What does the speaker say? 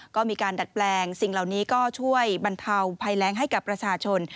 ก็มีการดัดแปลงสิ่งเหล่านี้ก็ช่วยบรรเทาภัยแรงให้กับประชาชน